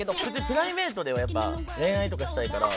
プライベートではやっぱ恋愛とかしたいから。